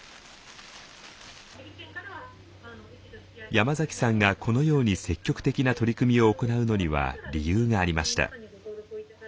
山崎さんがこのように積極的な取り組みを行うのには理由がありました。